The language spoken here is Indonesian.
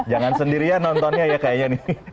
jangan sendirian nontonnya ya kayaknya nih